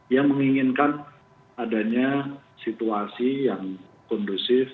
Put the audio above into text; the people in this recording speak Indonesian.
yang menginginkan adanya situasi yang kondusif